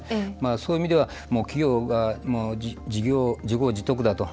そういう意味では企業が自業自得だと。